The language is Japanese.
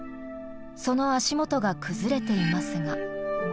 その足元が崩れていますが。